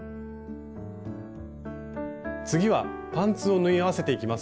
次はパンツを縫い合わせていきます。